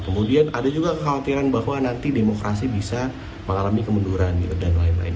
kemudian ada juga kekhawatiran bahwa nanti demokrasi bisa mengalami kemunduran dan lain lain